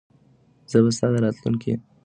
زه به ستا د راتلونکي پیغام په انتظار یم.